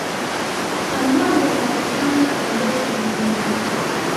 Pamoja na kupanda kwa joto la mwili